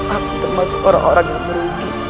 aku termasuk orang orang yang merugi